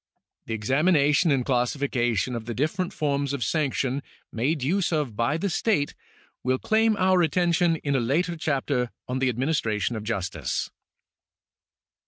The examination and classification of the different forms of sanction made use of by the state will claim our attention in a later chapter on the administration of justice.